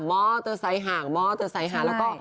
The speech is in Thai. หรือห่างแล้วก็